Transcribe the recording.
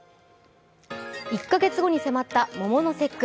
１か月後に迫った桃の節句。